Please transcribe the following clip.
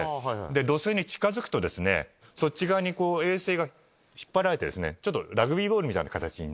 土星に近づくとそっち側に衛星が引っ張られてラグビーボールみたいな形に。